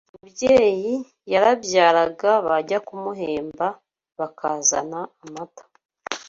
Umubyeyi yarabyaraga bajya kumuhemba bakazana amata